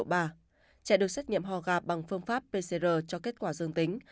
trẻ được xét nghiệm ho gạp bằng phương pháp pcr cho kết quả dương tính